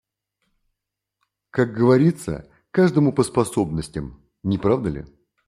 Как говорится, каждому по способностям, не правда ли?